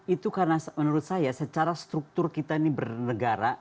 itu karena menurut saya secara struktur kita ini bernegara